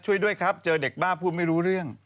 ช่วยด้วยครับเจอเด็กบ้าพูดไม่รู้เรื่อง